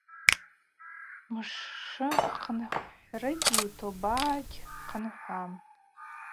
Мшы хъынхӏврыгьи тоба гьхъынхӏвуам.